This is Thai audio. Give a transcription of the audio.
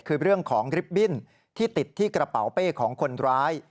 คือเรื่องของลิฟต์บิ้นที่ติดที่กระเป๋าเป้ของคนร้าย